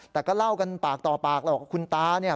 แต่ก็เล่ากันปากต่อปากคุณตาเนี่ย